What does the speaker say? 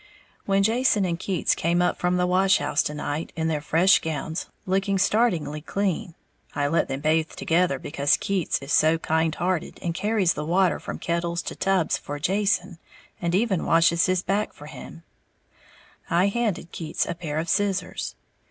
_ When Jason and Keats came up from the wash house to night in their fresh gowns, looking startlingly clean, (I let them bathe together because Keats is so kind hearted, and carries the water from kettles to tubs for Jason, and even washes his back for him) I handed Keats a pair of scissors.